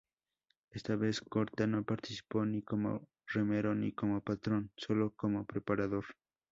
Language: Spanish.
Esta vez Korta no participó ni como remero ni como patrón, solo como preparador.